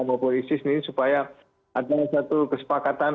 mobilis ini supaya ada satu kesepakatan